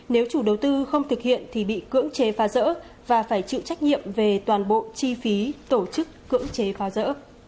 nếu chủ đầu tư không thực hiện thì bị cưỡng chế phá rỡ và phải chịu trách nhiệm về toàn bộ chi phí tổ chức cưỡng chế phá rỡ